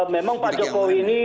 memang pak jokowi ini